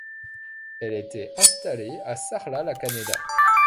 Elle était installée à Sarlat-la-Canéda.